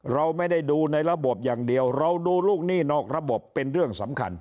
เราไม่ได้ดูในระบบอย่างเดียวเราดูลูกหนี้นอกระบบเป็นเรื่องสำคัญ